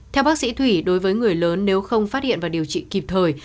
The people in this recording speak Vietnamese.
theo bác sĩ thủy đối với người lớn nếu không phát hiện và điều trị kịp thời